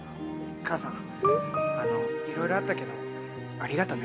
母さんあのいろいろあったけどありがとね。